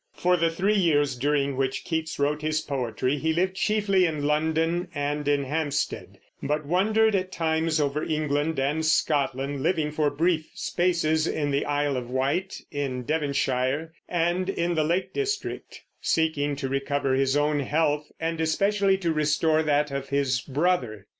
For the three years during which Keats wrote his poetry he lived chiefly in London and in Hampstead, but wandered at times over England and Scotland, living for brief spaces in the Isle of Wight, in Devonshire, and in the Lake district, seeking to recover his own health, and especially to restore that of his brother.